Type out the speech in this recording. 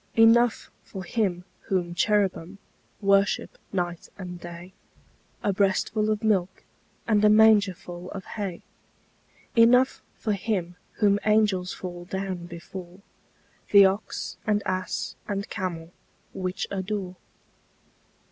Enough for Him whom cherubim Worship night and day, A breastful of milk And a mangerful of hay; Enough for Him whom angels Fall down before, The ox and ass and camel Which adore.